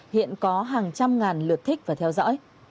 hiện có hàng trăm ngàn lượt thích và theo dõi